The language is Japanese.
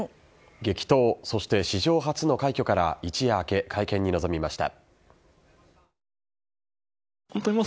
激闘、そして史上初の快挙から一夜明け会見に臨みました。